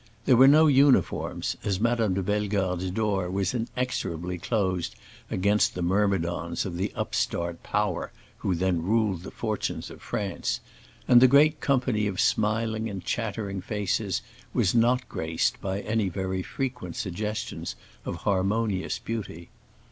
There were no uniforms, as Madame de Bellegarde's door was inexorably closed against the myrmidons of the upstart power which then ruled the fortunes of France, and the great company of smiling and chattering faces was not graced by any very frequent suggestions of harmonious beauty.